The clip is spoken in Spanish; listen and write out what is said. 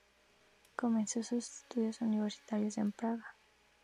Comenzó sus estudios universitarios en Praga.